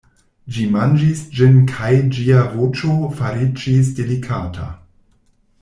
Ĝi manĝis ĝin kaj ĝia voĉo fariĝis delikata.